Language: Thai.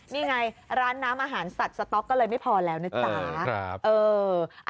นี่ไงร้านน้ำอาหารสัตว์สต๊อกก็เลยไม่พอแล้วนะจ๊ะ